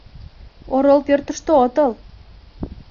— Орол пӧртыштӧ отыл!